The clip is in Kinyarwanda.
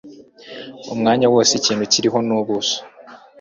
Umwanya wose ikintu kiriho n' ubuso